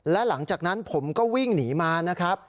และหลังจากนั้นผมก็วิ่งหนีมานะครับ